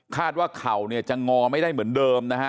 ว่าเข่าเนี่ยจะงอไม่ได้เหมือนเดิมนะฮะ